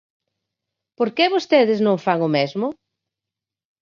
¿Por que vostedes non fan o mesmo?